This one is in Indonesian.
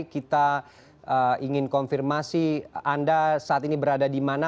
kita ingin konfirmasi anda saat ini berada di mana